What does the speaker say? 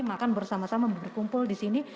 makan bersama sama berkumpul di sini